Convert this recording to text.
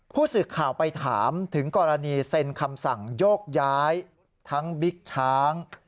ผู้สื่อข่าวไปถามถึงกรณีเซ็นคำสั่งโยกย้ายทั้งบิ๊กช้าง